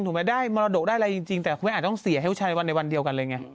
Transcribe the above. ได้มรดกได้อะไรจริงแต่คุณแม่อาจจะต้องเสียให้ผู้ชายในวันในวันเดียวกันเลยไง